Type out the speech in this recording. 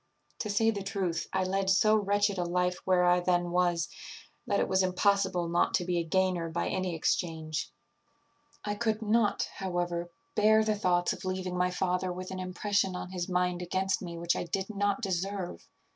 To say the truth, I led so wretched a life where I then was, that it was impossible not to be a gainer by any exchange. "I could not, however, bear the thoughts of leaving my father with an impression on his mind against me which I did not deserve.